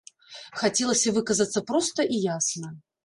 Хацелася выказацца проста і ясна.